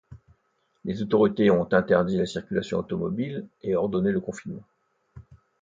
Les autorités ont interdit la circulation automobile et ordonné le confinement.